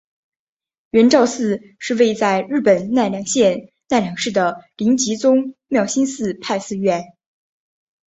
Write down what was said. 圆照寺是位在日本奈良县奈良市的临济宗妙心寺派寺院。